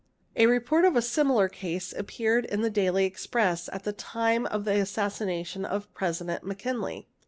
a report of a similar case appeared in the " Daily Express"' at the time he assassination of President Mackinley.